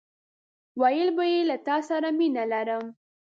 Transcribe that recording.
ويل به يې له تاسره مينه لرم!